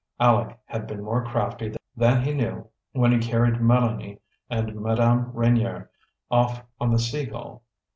Aleck had been more crafty than he knew when he carried Mélanie and Madame Reynier off on the Sea Gull.